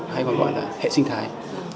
hay còn gọi là hệ sinh thái